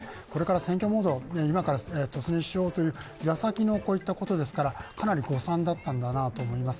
ですから、各政党はこれから選挙モード、今から突入しようという矢先のこういったことですからかなり誤算だったんだと思います。